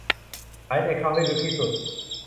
หายใจเข้าให้ลึกที่สุด